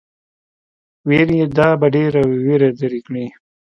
ويل يې چې دا به دې وېره لري کړي.